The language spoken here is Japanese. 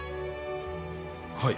はい。